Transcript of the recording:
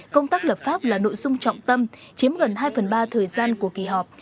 công tác lập pháp là nội dung trọng tâm chiếm gần hai phần ba thời gian của kỳ họp